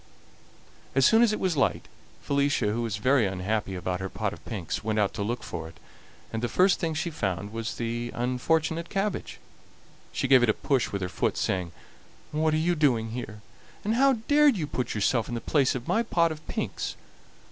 As soon as it was light, Felicia, who was very unhappy about her pot of pinks, went out to look for it, and the first thing she found was the unfortunate cabbage. She gave it a push with her foot, saying: "What are you doing here, and how dared you put yourself in the place of my pot of pinks?"